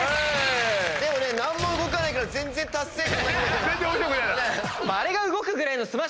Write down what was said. でもね何も動かないから全然達成感ない。